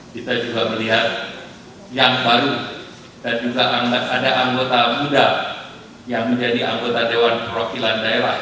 kita juga melihat yang baru dan juga ada anggota muda yang menjadi anggota dewan perwakilan daerah